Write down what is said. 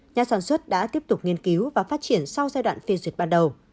nhà sản xuất đã tiếp tục nghiên cứu và phát triển sau giai đoạn phê duyệt ban đầu